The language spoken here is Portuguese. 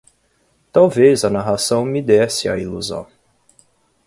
Talvez a narração me desse a ilusão